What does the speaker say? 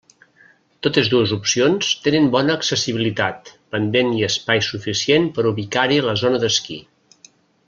Totes dues opcions tenen bona accessibilitat, pendent i espai suficient per ubicar-hi la zona d'esquí.